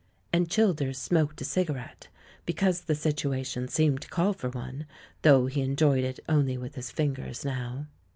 And Childers smoked a cigarette, because the situation seemed to call for one, though he enjoyed it only with his fingers now.